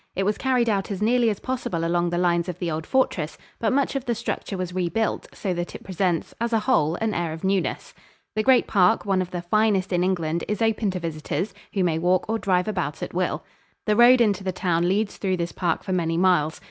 It was carried out as nearly as possible along the lines of the old fortress, but much of the structure was rebuilt, so that it presents, as a whole, an air of newness. The great park, one of the finest in England, is open to visitors, who may walk or drive about at will. The road into the town leads through this park for many miles.